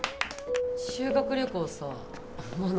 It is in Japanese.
・修学旅行さ真野